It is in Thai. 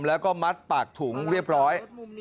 แล้วก็มัดปากถุงเรียบร้อย